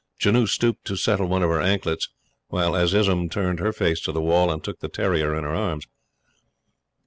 Janoo stooped to settle one of her anklets, while Azizun turned her face to the wall and took the terrier in her arms.